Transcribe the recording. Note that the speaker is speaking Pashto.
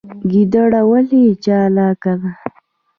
ګیدړه ولې چالاکه ده؟